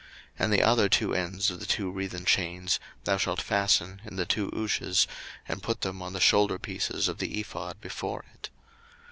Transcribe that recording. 02:028:025 And the other two ends of the two wreathen chains thou shalt fasten in the two ouches, and put them on the shoulderpieces of the ephod before it.